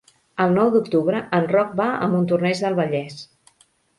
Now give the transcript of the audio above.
El nou d'octubre en Roc va a Montornès del Vallès.